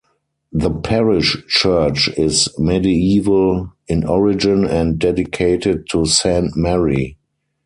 The parish church is medieval in origin and dedicated to Saint Mary.